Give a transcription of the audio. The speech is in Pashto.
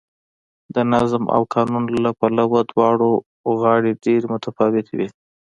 د نظم او قانون له پلوه دواړه غاړې ډېرې متفاوتې وې